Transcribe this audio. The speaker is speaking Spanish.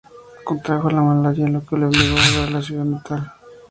Contrajo la malaria, lo que le obligó a volver a su ciudad natal.